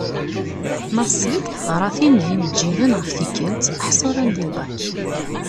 Ma tesliḍ i taɣratin d yimeǧǧiden ɣef tikelt ḥṣu rran-d i lbak.